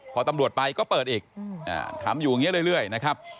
พอตำรวจไปก็เปิดอีกอ่าทำอยู่อย่างเงี้ยเรื่อยเรื่อยนะครับ